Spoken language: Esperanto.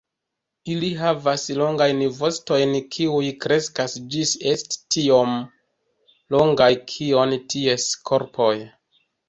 Ili havas longajn vostojn kiuj kreskas ĝis esti tiom longaj kiom ties korpoj.